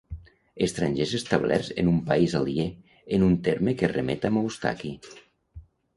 Estrangers establerts en un país aliè, en un terme que remet a Moustaki.